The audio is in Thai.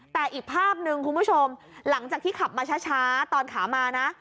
แต่อีกภาพหนึ่งคุณผู้ชมหลังจากที่ขับมาช้าตอนขามานะ